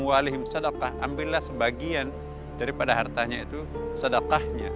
ambillah sebagian daripada hartanya itu sedekahnya